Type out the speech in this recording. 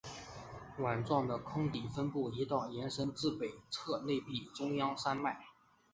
碗状的坑底分布了一道延伸至北侧内壁中央山脉。